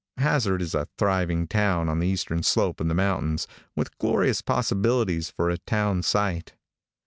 Hazzard is a thriving town on the eastern slope of the mountains, with glorious possibilities for a town site.